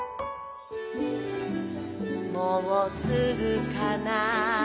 「もうすぐかな？」